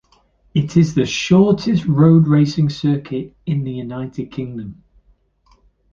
It the shortest road racing circuit in the United Kingdom.